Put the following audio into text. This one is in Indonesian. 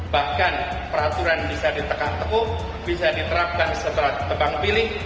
bahkan peraturan bisa ditekan tepuk bisa diterapkan setelah tebang pilih